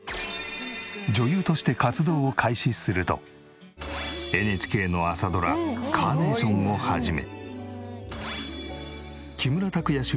女優として活動を開始するとＮＨＫの朝ドラ『カーネーション』を始め。